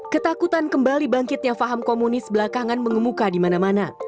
ketakutan kembali bangkitnya faham komunis belakangan mengemuka dimana mana